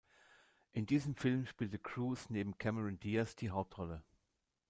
In dem Film spielte Cruise neben Cameron Diaz die Hauptrolle.